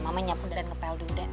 mama nyapu dan ngepel dulu deh